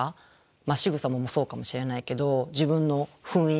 しぐさもそうかもしれないけど自分の雰囲気